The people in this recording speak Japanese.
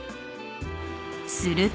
［すると］